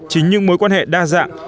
chính những mối quan hệ đa dạng